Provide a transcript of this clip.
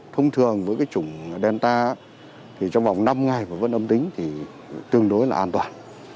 thông thường với cái chủng delta thì trong vòng năm ngày mà vẫn âm tính thì tương đối là an toàn